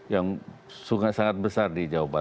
yang sungai sangat besar di jawa barat